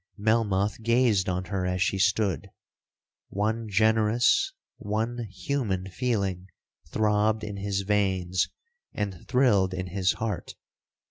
'Melmoth gazed on her as she stood. One generous, one human feeling, throbbed in his veins, and thrilled in his heart.